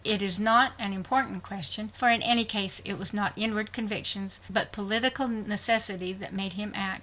It is not an important question, for in any case it was not inward conviction but political necessity that made him act.